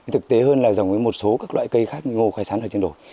thực tế hơn là dòng với một số các loại cây khác như ngô khai sắn ở trên đồi